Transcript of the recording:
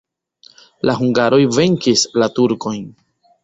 La hungaroj venkis la turkojn.